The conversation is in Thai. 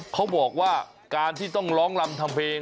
เขาบอกว่าการที่ต้องร้องรำทำเพลง